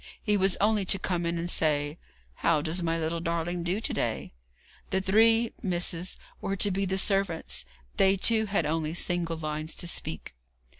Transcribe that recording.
He was only to come in and say: 'How does my little darling do to day?' The three Miss s were to be the servants; they, too, had only single lines to speak.